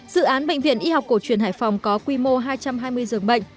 dự án bệnh viện y học cổ truyền hải phòng có quy mô hai trăm hai mươi dường bệnh